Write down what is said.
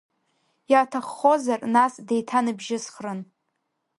Иаҭаххозар нас деиҭаныбжьысхрын.